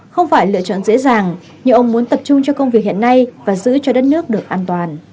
không phải lựa chọn dễ dàng nhưng ông muốn tập trung cho công việc hiện nay và giữ cho đất nước được an toàn